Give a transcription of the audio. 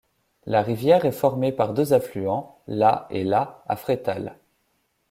La rivière est formée par deux affluents, la et la à Freital.